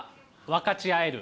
分かち合える？